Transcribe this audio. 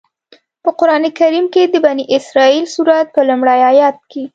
په قرآن کریم کې د بنی اسرائیل سورت په لومړي آيت کې.